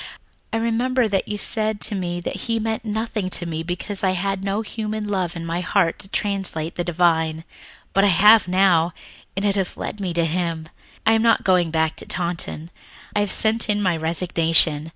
I remember that you said to me that he meant nothing to me because I had no human love in my heart to translate the divine. But I have now, and it has led me to Him. "I am not going back to Taunton. I have sent in my resignation.